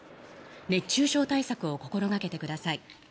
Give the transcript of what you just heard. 熱中症対策を心掛けてください。